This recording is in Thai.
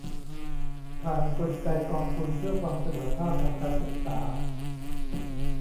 ผ่านกลไกกองทุนเพื่อความเสมอภาคทางการศึกษา